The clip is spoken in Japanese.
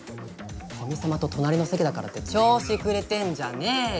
古見様と隣の席だからって調子くれてんじゃねーよ。